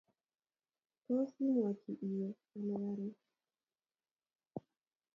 Tos, imache iwe ano koron?